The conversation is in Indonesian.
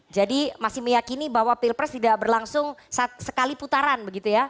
jadi masih meyakini bahwa pilpres tidak berlangsung sekali putaran begitu ya